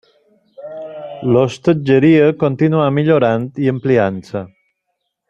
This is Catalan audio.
L'hostatgeria continuà millorant i ampliant-se.